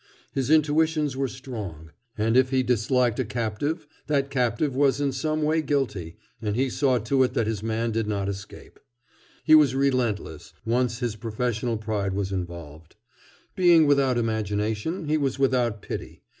His intuitions were strong, and if he disliked a captive, that captive was in some way guilty—and he saw to it that his man did not escape. He was relentless, once his professional pride was involved. Being without imagination, he was without pity.